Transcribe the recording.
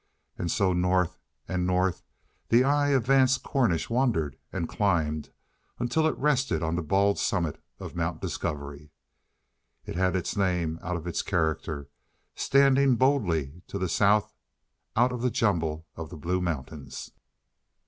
And so north and north the eye of Vance Cornish wandered and climbed until it rested on the bald summit of Mount Discovery. It had its name out of its character, standing boldly to the south out of the jumble of the Blue Mountains.